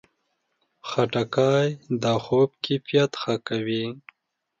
خټکی د خوب کیفیت ښه کوي.